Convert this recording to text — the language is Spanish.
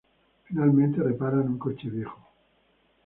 Finalmente reparan un coche viejo.